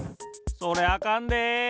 それあかんで！